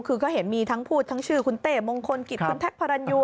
คือก็เห็นมีทั้งพูดทั้งชื่อคุณเต้มงคลกิจคุณแท็กพารันยู